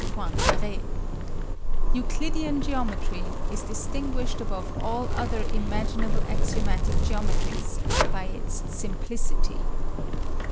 Poincare: Euclidean geometry is distinguished above all other imaginable axiomatic geometries by its simplicity.